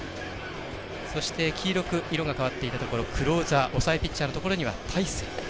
そして、黄色く色が変わっていたところ抑えピッチャーのところには大勢。